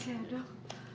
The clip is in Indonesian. terima kasih dok